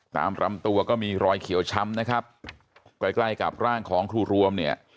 ตามรำตัวก็มีรอยเขียวช้ำนะครับใกล้ใกล้กับร่างของครูรวมเนี่ย